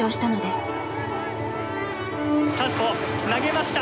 「サウスポー投げました。